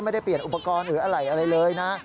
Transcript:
ไม่ได้เปลี่ยนอุปกรณ์หรืออะไรเลยนะ